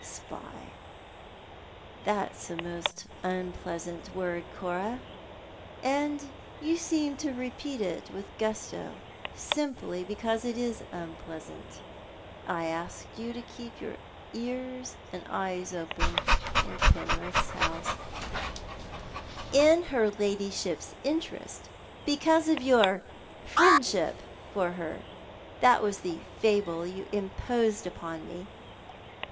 " Spy. That's a most unpleasant word, Cora, and you seem to repeat it with gusto simply because it is uni^easant. I asked you to keep your ears and eyes open in Penrith's house "" In her ladyship's interest — because of your friendship for her. That was the fable you imposed upon me."